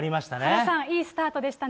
原さん、いいスタートでした